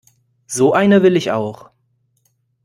So eine will ich auch.